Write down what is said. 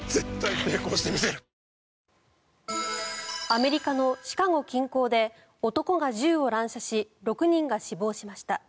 アメリカのシカゴ近郊で男が銃を乱射し６人が死亡しました。